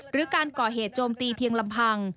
หรือการก่อเหตุโจมตีเพียงลำพัง